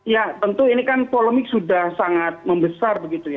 ya tentu ini kan polemik sudah sangat membesar begitu ya